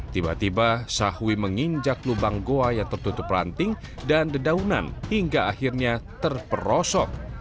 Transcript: tiba tiba sahui menginjak lubang goa yang tertutup ranting dan dedaunan hingga akhirnya terperosok